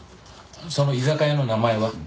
その居酒屋の名前は？